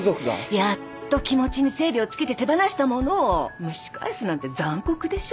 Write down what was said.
やっと気持ちに整理をつけて手放したものを蒸し返すなんて残酷でしょ。